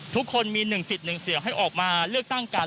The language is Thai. ทุกคนมีหนึ่งสิทธิ์หนึ่งเสียงให้ออกมาเลือกตั้งกัน